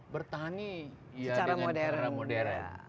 bertani secara modern